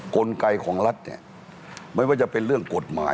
กลไกของรัฐเนี่ยไม่ว่าจะเป็นเรื่องกฎหมาย